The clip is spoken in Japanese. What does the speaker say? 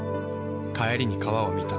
帰りに川を見た。